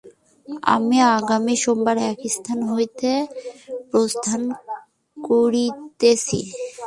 আমি আগামী সোমবার এস্থান হইতে প্রস্থান করিতেছি।